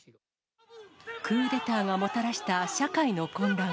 クーデターがもたらした社会の混乱。